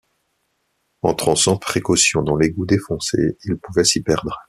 Entrant sans précautions dans l’égout défoncé, ils pouvaient s’y perdre.